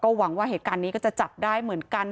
หวังว่าเหตุการณ์นี้ก็จะจับได้เหมือนกัน